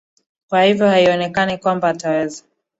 kwa hivyo haionekani kwamba ataweza